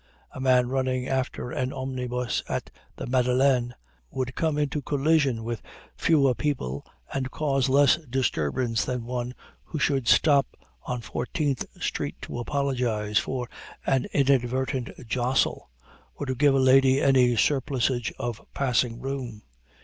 A man running after an omnibus at the Madeleine would come into collision with fewer people and cause less disturbance than one who should stop on Fourteenth Street to apologize for an inadvertent jostle, or to give a lady any surplusage of passing room.